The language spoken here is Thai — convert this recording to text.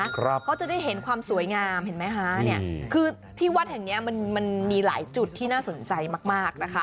เขาจะได้เห็นความสวยงามเห็นไหมคะเนี่ยคือที่วัดแห่งเนี้ยมันมันมีหลายจุดที่น่าสนใจมากมากนะคะ